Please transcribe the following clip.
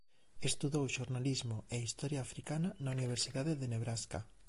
Estudou xornalismo e historia africana na Universidade de Nebrasca.